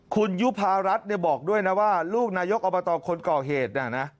คุณยุภารัฐบอกด้วยนะว่าลูกนายกอบตคนก่อเหตุนะ